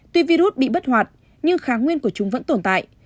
tuy virus bị bất hoạt nhưng kháng nguyên của chúng vẫn tồn tại